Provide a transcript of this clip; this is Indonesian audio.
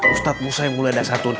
ustad musa yang mulai dasar